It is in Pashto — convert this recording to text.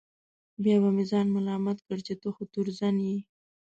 بیا به مې ځان ملامت کړ چې ته خو تورزن یې.